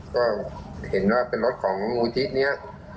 ก็เห็นว่าเป็นรถของมูลที่นี้